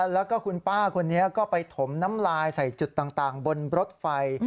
แล้วก็คุณป้าคนนี้ก็ไปถมน้ำลายใส่จุดต่างบนรถไฟ